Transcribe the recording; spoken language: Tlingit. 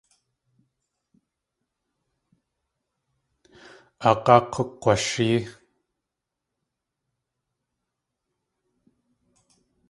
Aag̲áa k̲ukg̲washée.